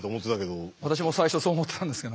私も最初そう思ってたんですけど。